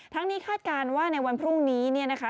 ทั้งนี้คาดการณ์ว่าในวันพรุ่งนี้นะคะ